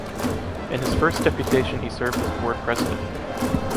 In his first deputation he served as Board President.